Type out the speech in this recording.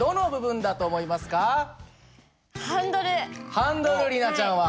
ハンドル里奈ちゃんは。